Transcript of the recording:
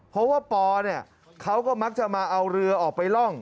เพราะว่าปอเนี่ยเขาก็มักจะมาเอาเรือออกไปร่อง